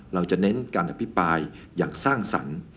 เราจะเน้นการอภิปรายอย่างสร้างสรรค์